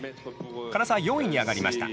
唐澤４位に上がりました。